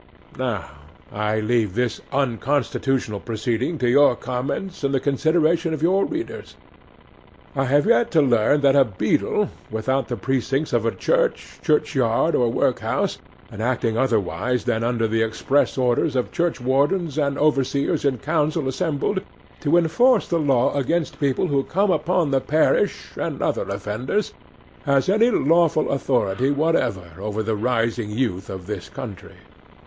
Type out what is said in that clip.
'Now I leave this unconstitutional proceeding to your comments and the consideration of your readers. I have yet to learn that a beadle, without the precincts of a church, churchyard, or work house, and acting otherwise than under the express orders of churchwardens and overseers in council assembled, to enforce the law against people who come upon the parish, and other offenders, has any lawful authority whatever over the rising youth of this country.